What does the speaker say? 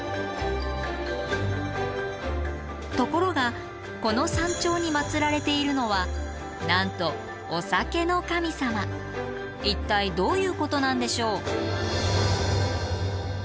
ところがこの山頂に祀られているのはなんと一体どういうことなんでしょう？